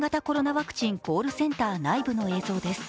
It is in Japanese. ワクチンコールセンター内部の映像です。